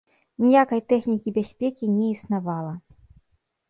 Ніякай тэхнікі бяспекі не існавала.